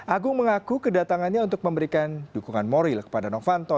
agung mengaku kedatangannya untuk memberikan dukungan moral kepada novanto